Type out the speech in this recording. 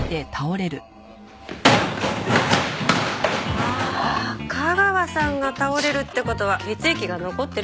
ああ架川さんが倒れるって事は血液が残ってるって事ね。